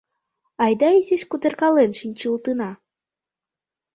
— Айда изиш кутыркален шинчылтына.